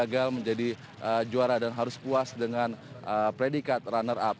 dan indonesia juga menjadi juara dan harus puas dengan predikat runner up